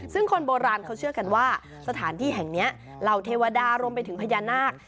ซึ่งคนโบราณเขาเชื่อกันว่าสถานที่แห่งนี้เหล่าเทวดารวมไปถึงพญานาค